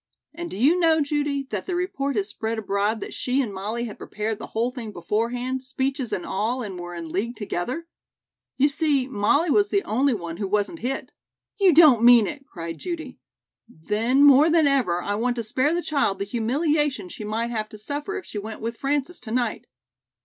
And do you know, Judy, that the report has spread abroad that she and Molly had prepared the whole thing beforehand, speeches and all and were in league together? You see, Molly was the only one who wasn't hit." "You don't mean it," cried Judy. "Then, more than ever, I want to spare the child the humiliation she might have to suffer if she went with Frances to night.